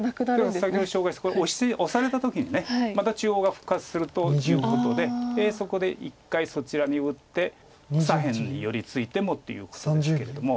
でも先ほど紹介したオサれた時にまた中央が復活するということでそこで一回そちらに打って左辺に寄り付いてもということですけれども。